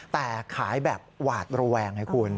แต่ขายแบบหวาดระแวงให้คุณ